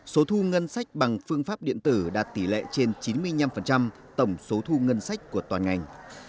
số thu ngân sách bằng phương pháp điện tử đạt tỷ lệ trên chín mươi năm tổng số thu ngân sách của toàn ngành